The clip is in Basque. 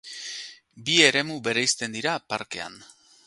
Bi eremu bereizten dira parkean.